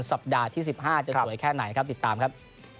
สัปดาห์ที่๑๕จะสวยแค่ไหนครับติดตามครับ